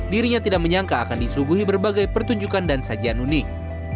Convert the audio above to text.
dirinya tidak menyangka akan disuguhi berbagai pertunjukan dan sajian unik